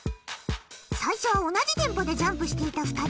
最初は同じテンポでジャンプしていた２人。